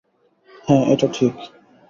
হা, এটা ঠিক।